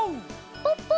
ポッポ！